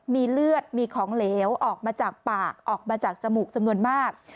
มีเลือดมีของเหลวออกมาจากปากออกมาจากจมูกจำนวนมาก